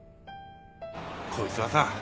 こいつはさ